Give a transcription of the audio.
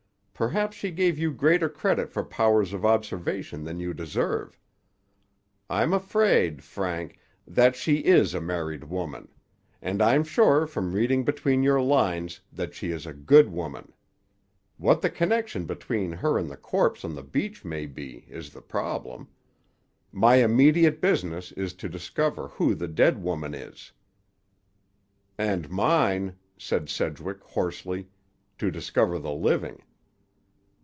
Perhaps she gave you greater credit for powers of observation than you deserve. I'm afraid, Frank, that she is a married woman; and I'm sure, from reading between your lines, that she is a good woman. What the connection between her and the corpse on the beach may be, is the problem. My immediate business is to discover who the dead woman is." "And mine," said Sedgwick hoarsely, "to discover the living."